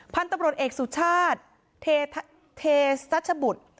พันธุ์ตำรวจเอกสุชาติเทสัชบุตร